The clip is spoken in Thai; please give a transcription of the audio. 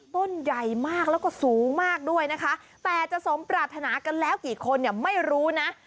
ต้นใหญ่มากแล้วก็สูงมากด้วยนะคะแต่จะสมปรารถนากันแล้วกี่คนเนี่ยไม่รู้นะ